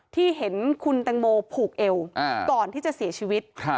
ที่เห็นคุณแตงโมผูกเอวก่อนที่จะเสียชีวิต